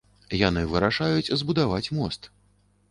Яны вырашаюць збудаваць мост.